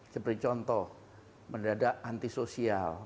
seperti contoh mendadak antisosial